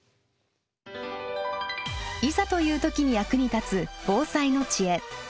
いざという時に役に立つ防災の知恵。